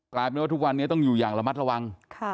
กลายเป็นว่าทุกวันนี้ต้องอยู่อย่างระมัดระวัง